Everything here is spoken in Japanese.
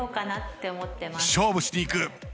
勝負しにいく？